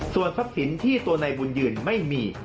ส่วนทัพสินที่ตัวในบุญยืนไม่มี